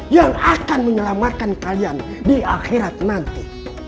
yang akan menyelamatkan kalian di akhirat nanti